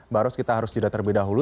barus kita harus jeda terlebih dahulu